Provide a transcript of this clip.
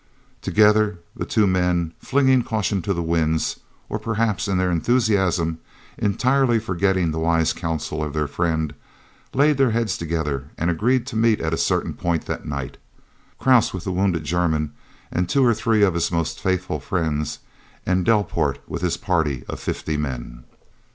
Together the two men, flinging caution to the winds, or perhaps in their enthusiasm entirely forgetting the wise counsel of their friend, laid their heads together, and agreed to meet at a certain point that night, Krause with the wounded German and two or three of his most faithful friends, and Delport with his party of fifty men.